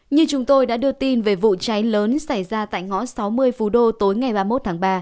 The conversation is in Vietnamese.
như chúng tôi đã đưa tin về vụ cháy lớn xảy ra tại ngõ sáu mươi phú đô tối ngày ba mươi một tháng ba